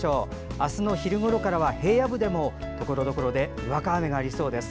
明日の昼ごろからは平野部でもところどころでにわか雨がありそうです。